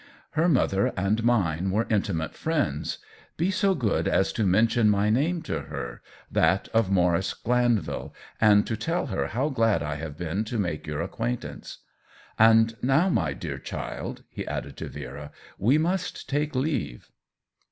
Her mother and mine were intimate friends. Be so good as to men THE WHEEL OF TIME 51 tion my name to her, that of Maurice Glanvil, and to tell her how glad I have been to make your acquaintance. And now, my dear child," he added, to Vera, " we must take leave."